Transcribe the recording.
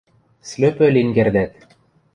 Слӧпӧй лин кердӓт.